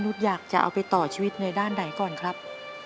อยากจะเอาไปต่อชีวิตในด้านไหนก่อนครับ